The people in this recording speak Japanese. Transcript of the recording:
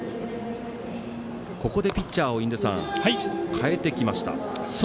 ここでピッチャーを代えてきました。